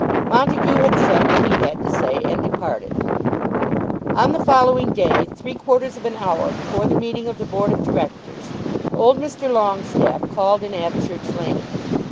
Montague had said what he had to say, and departed. On the following day, three quarters of an hour before the meeting of the Board of Directors, old Mr. Longestaffe called in Abchurch Lane.